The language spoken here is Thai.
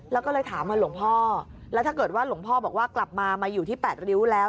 แล้วก็เลยถามว่าหลวงพ่อแล้วถ้าเกิดว่าหลวงพ่อบอกว่ากลับมามาอยู่ที่๘ริ้วแล้ว